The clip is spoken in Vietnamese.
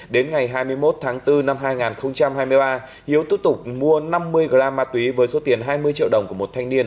đến ngày hai mươi một tháng bốn năm hai nghìn hai mươi ba hiếu tiếp tục mua năm mươi gram ma túy với số tiền hai mươi triệu đồng của một thanh niên